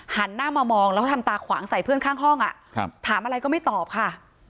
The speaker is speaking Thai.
หันหน้ามามองแล้วทำตาขวางใส่เพื่อนข้างห้องถามอะไรก็ไม่ตอบค่ะ